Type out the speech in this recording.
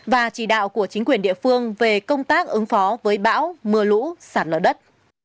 và chỉ đạo của chính quyền địa phương về công tác ứng phó với bão mưa lũ sạt lở đất